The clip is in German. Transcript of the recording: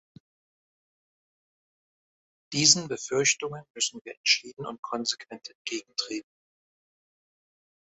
Diesen Befürchtungen müssen wir entschieden und konsequent entgegentreten.